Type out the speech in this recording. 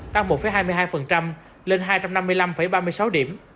tăng một hai mươi hai lên hai trăm năm mươi năm ba mươi sáu điểm